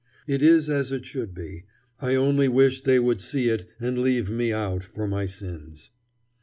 It is as it should be. I only wish they would see it and leave me out for my sins.